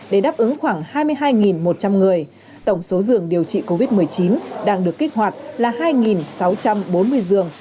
để đáp ứng khoảng hai mươi hai một trăm linh người tổng số giường điều trị covid một mươi chín đang được kích hoạt là hai sáu trăm bốn mươi giường